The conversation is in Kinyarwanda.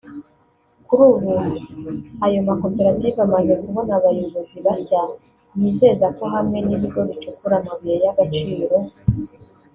Kuri ubu ayo makoperative amaze kubona abayobozi bashya yizeza ko hamwe n’ibigo bicukura amabuye y’agaciro